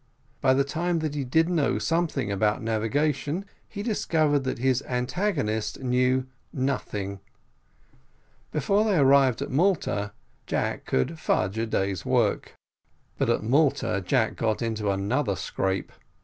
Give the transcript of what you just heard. By the time that he did know something about navigation he discovered that his antagonist knew nothing. Before they arrived at Malta Jack could fudge a day's work. But at Malta Jack got into another scrape.